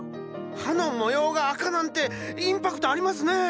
葉の模様が赤なんてインパクトありますね！